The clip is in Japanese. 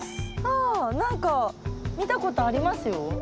あ何か見たことありますよ。